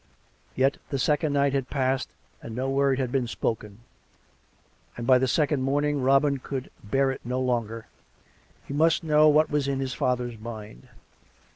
Yet the second night had passed and no word had been spoken, and by the second morning Robin could bear it no longer ; he must know what was in his father's mind.